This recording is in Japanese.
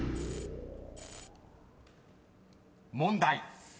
［問題］